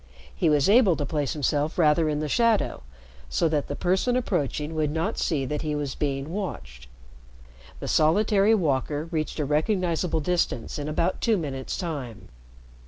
He was able to place himself rather in the shadow so that the person approaching would not see that he was being watched. The solitary walker reached a recognizable distance in about two minutes' time.